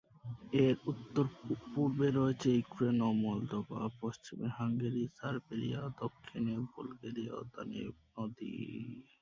এর উত্তর-পূর্বে রয়েছে ইউক্রেন ও মলদোভা, পশ্চিমে হাঙ্গেরি এবং সার্বিয়া, দক্ষিণে বুলগেরিয়া ও দানিউব নদী।